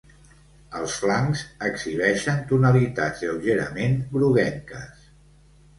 Els flancs exhibeixen tonalitats lleugerament groguenques.